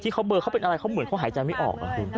ที่เค้าเบอร์เค้าเป็นอะไรเค้าเหมือนเค้าหายใจไม่ออก